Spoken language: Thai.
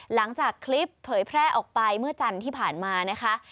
หลังจากคลิปเผยแพร่ออกไปเมื่อจันทร์ที่ผ่านมานะคะ